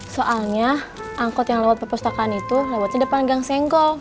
soalnya angkot yang lewat perpustakaan itu lewat depan gang senggol